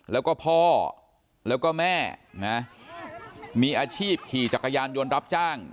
แล้วก็พ่อแล้วก็แม่นะมีอาชีพขี่จักรยานยนต์รับจ้าง